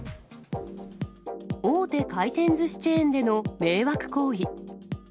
大手回転ずしチェーンでの迷惑行為。